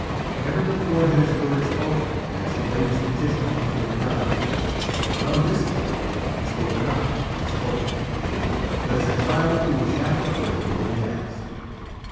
Never before had his words faltered as he laid his petitions before the gods, but on this day he spoke not as a sculptor king, but as a child who was half afraid of what he asked.